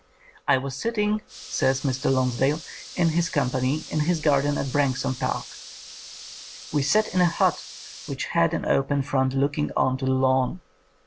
*'I was sitting," says Mr. Lonsdale, *'in his company in his garden at Branksome Park. We sat in a hut which had an open front looking on to the lawn.